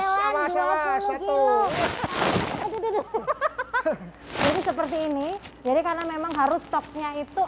siapa ini silakan ya di terima jangkauan dua puluh satu itu seperti ini jadi karena memang harus topnya itu